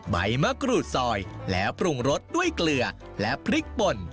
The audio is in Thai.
ใบมะกรูดซอยแล้วปรุงรสด้วยเกลือและพริกป่น